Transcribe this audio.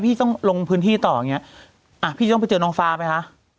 พี่ต้องลงพื้นที่ต่ออย่างเงี้ยอ่ะพี่ต้องไปเจอน้องฟ้าไหมคะ